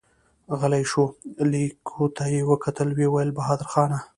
غلی شو، ليکو ته يې وکتل، ويې ويل: بهادرخانه!